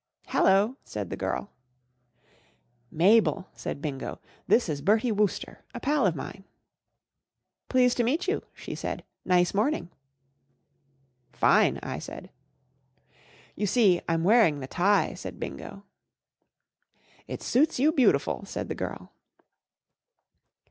Hallo !" said the girl, " Mabel/' said Bingo, *' this is Bertie Wooster, a pal of mine." Pleased to meet you/' she said. Nice morning/' " Fine/' 1 said, " You see I'm wearing the tie/' said Bingo. ' It suits you beautiful/' said the girl.